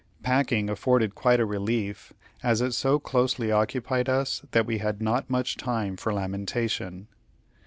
Packing afforded quite a relief, as it so closely occupied us that we had not much time for lamentation.